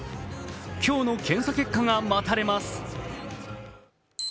今日の検査結果が待たれます。